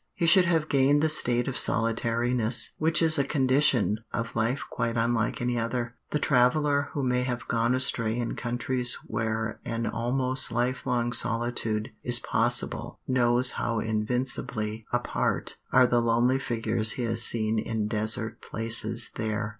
He should have gained the state of solitariness which is a condition of life quite unlike any other. The traveller who may have gone astray in countries where an almost life long solitude is possible knows how invincibly apart are the lonely figures he has seen in desert places there.